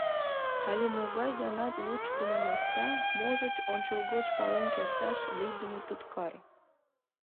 Але могай-гынат вучыдымо наста, можыч, ончылгоч пален керташ лийдыме туткар.